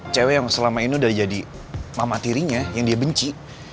cewek yang selama ini udah jadi mama tirinya yang dia benci